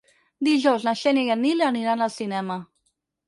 Dijous na Xènia i en Nil aniran al cinema.